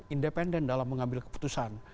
independen dalam mengambil keputusan